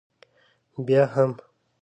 بیا هم.